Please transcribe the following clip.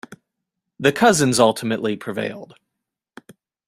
The cousins ultimately prevailed.